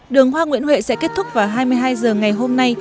đường hoa nguyễn huệ sẽ kết thúc vào hai mươi hai h ngày hôm nay